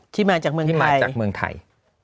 ที่มาจากเมืองไทย